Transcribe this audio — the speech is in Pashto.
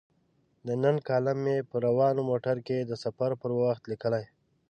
د نن کالم مې په روان موټر کې د سفر پر وخت لیکلی.